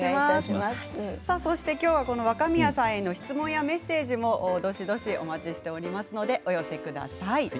きょうは若宮さんへの質問やメッセージもお待ちしておりますのでお寄せください。